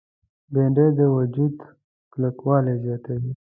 بېنډۍ د وجود کلکوالی زیاتوي